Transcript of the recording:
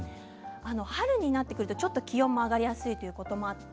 春になってくるとちょっと気温も上がりやすいということもあって